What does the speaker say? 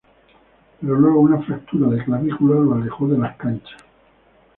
Pero luego una fractura de clavícula lo alejó de las canchas.